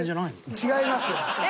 違います。